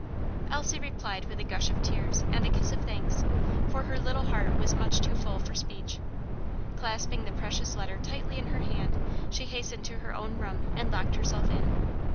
Elsie replied with a gush of tears and a kiss of thanks, for her little heart was much too full for speech. Clasping the precious letter tightly in her hand, she hastened to her own room and locked herself in.